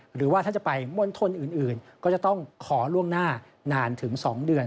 หรือว่าถ้าจะไปมณฑลอื่นก็จะต้องขอล่วงหน้านานถึง๒เดือน